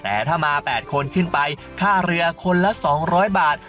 แต่ถ้ามา๘คนขึ้นไปค่าเรือคนละ๒๐๐บาท